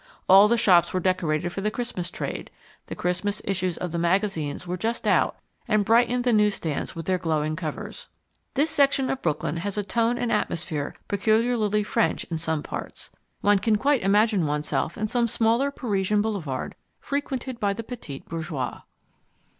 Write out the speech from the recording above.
All the shops were decorated for the Christmas trade; the Christmas issues of the magazines were just out and brightened the newsstands with their glowing covers. This section of Brooklyn has a tone and atmosphere peculiarly French in some parts: one can quite imagine oneself in some smaller Parisian boulevard frequented by the petit bourgeois.